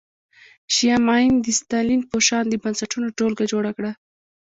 شیام عین د ستالین په شان د بنسټونو ټولګه جوړه کړه